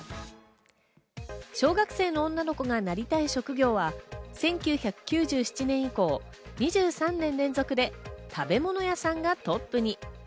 小学生の女の子がなりたい職業は１９９７年以降、２３年連続で食べ物屋さんがトップに。